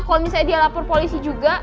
kalau misalnya dia lapor polisi juga